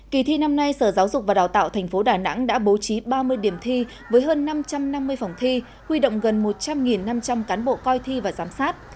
kỳ thi năm nay sở giáo dục và đào tạo tp đà nẵng đã bố trí ba mươi điểm thi với hơn năm trăm năm mươi phòng thi huy động gần một trăm linh năm trăm linh cán bộ coi thi và giám sát